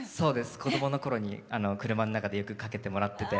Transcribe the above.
子供のころに車の中でよくかけてもらってて。